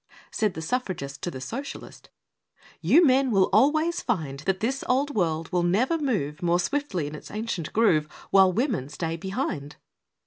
Said the Suffragist to the Socialist: "You men will always find That this old world will never move More swiftly in its ancient groove While women stay behind!"